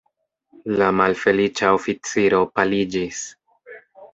La malfeliĉa oficiro paliĝis.